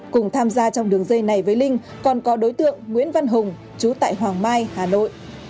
cùng tham gia trong đường dây này với linh còn có đối tượng nguyễn văn hùng chú tại hoàng mai hà nội